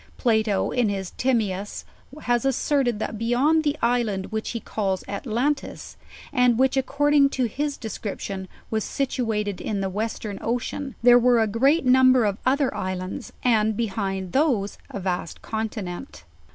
Plato in his Timseus has asserted, that beyond the island which he calls Atalantis, and which, according to his discription, was situated in the Western Ocean, there were a great number of other islands, and behind those a vast continent.